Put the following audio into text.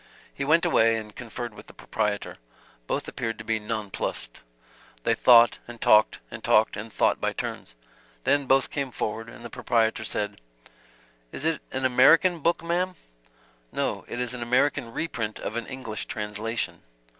He went away and conferred with the proprietor. Both appeared to be non plussed. They thought and talked, and talked and thought by turns. Then both came forward and the proprietor said: "Is it an American book, ma'm?" "No, it is an American reprint of an English translation."